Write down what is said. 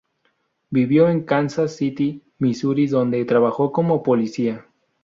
Vivió en Kansas City, Misuri, donde trabajó como policía.